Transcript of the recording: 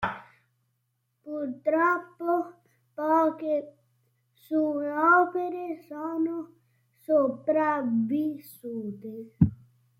Purtroppo poche sue opere sono sopravvissute.